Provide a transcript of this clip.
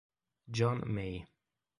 John May